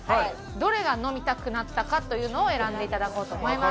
どれが飲みたくなったかというのを選んで頂こうと思います。